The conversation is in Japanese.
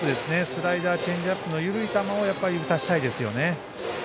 スライダー、チェンジアップの緩い球を打たせたいですね。